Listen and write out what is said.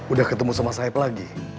udah ketemu sama saib lagi